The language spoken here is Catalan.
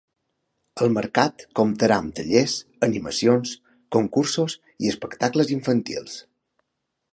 El mercat comptarà amb tallers, animacions, concursos i espectacles infantils.